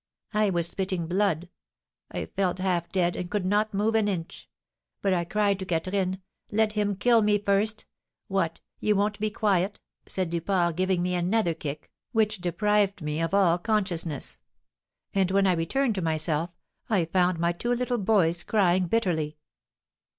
I was spitting blood; I felt half dead, and could not move an inch. But I cried to Catherine, 'Let him kill me first!' 'What, you won't be quiet?' said Duport, giving me another kick, which deprived me of all consciousness; and when I returned to myself, I found my two little boys crying bitterly."